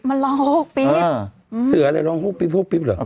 มันร้องหกปี๊บเสืออะไรร้องหกปี๊บปิ๊บเหรอ